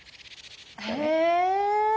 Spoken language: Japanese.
へえ！